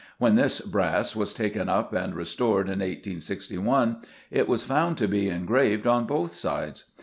When this brass was taken up and restored in 1861 it was found to be engraved on both sides.